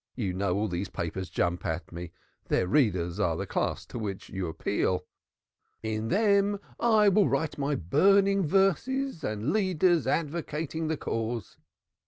You know all these papers jump at me their readers are the class to which you appeal in them will I write my burning verses and leaders advocating the cause.